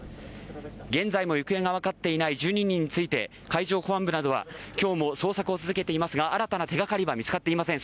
現在も行方が分かっていない１２人について海上保安部などは今日も捜索を続けていますが新たな手がかりは見つかっていません。